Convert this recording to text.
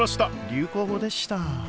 流行語でした。